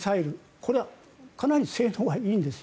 これはかなり性能がいいんですよ。